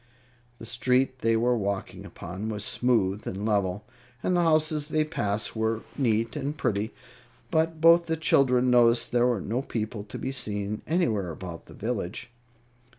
The street they were walking upon was smooth and level, and the houses they passed were neat and pretty; but both the children noticed there were no people to be seen anywhere about the village.